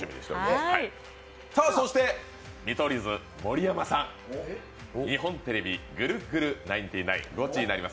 そして、見取り図・盛山さん、日本テレビ「ぐるぐるナインティナインゴチになります！」